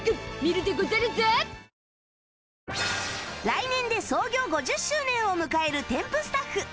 来年で創業５０周年を迎えるテンプスタッフ